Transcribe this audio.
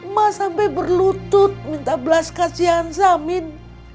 ma sampe berlutut minta belas kasihan samin